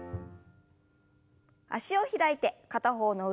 脚を開いて片方の腕を上に。